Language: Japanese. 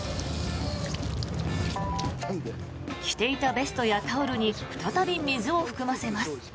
着ていたベストやタオルに再び水を含ませます。